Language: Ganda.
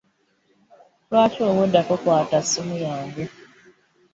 Lwaki obwedda tokwaata simu yange.